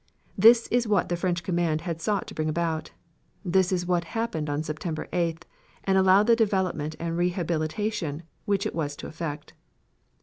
This is what the French command had sought to bring about. This is what happened on September 8th and allowed the development and rehabilitation which it was to effect.